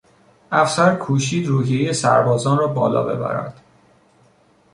افسر کوشید روحیهی سربازان را بالا ببرد.